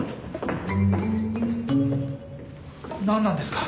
なんなんですか！